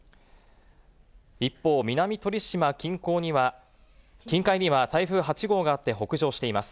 一方、南鳥島近海には、台風８号があって北上しています。